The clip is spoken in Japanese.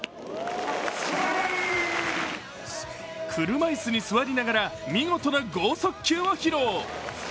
車いすに座りながら見事な剛速球を披露。